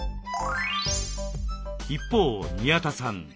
一方宮田さん